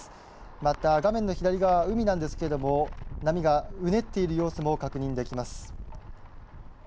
また画面の左側、海なんですけれども波がうねっている様子も確認できます。